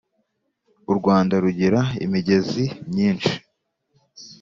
urwanda rugira imigezi myinshi